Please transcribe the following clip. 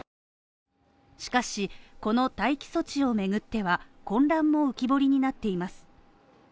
しかし、この待機措置をめぐっては、混乱も浮き彫りになっています。